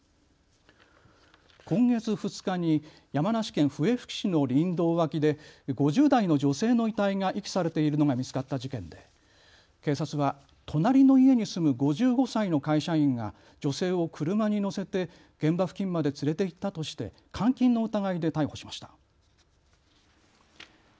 今月２日に山梨県笛吹市の林道脇で５０代の女性の遺体が遺棄されているのが見つかった事件で警察は隣の家に住む５５歳の会社員が女性を車に乗せて現場付近まで連れて行ったとして監禁の疑いで逮捕しました。